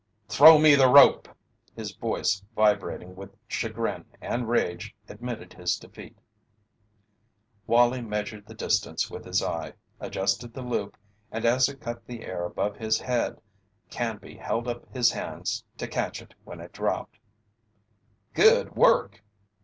"Throw me the rope!" His voice vibrating with chagrin and rage admitted his defeat. Wallie measured the distance with his eye, adjusted the loop, and as it cut the air above his head Canby held up his hands to catch it when it dropped. "Good work!"